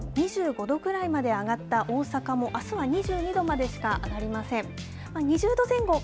そして気温が、きょう２５度ぐらいまで上がった大阪もあすは２２度までしか上がりません。